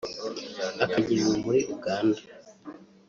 akajyanwa muri Uganda